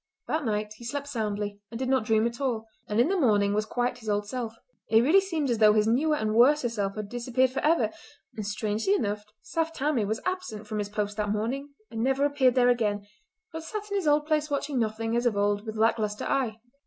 That night he slept soundly and did not dream at all; and in the morning was quite his old self. It really seemed as though his newer and worser self had disappeared for ever; and strangely enough Saft Tammie was absent from his post that morning and never appeared there again, but sat in his old place watching nothing, as of old, with lack lustre eye.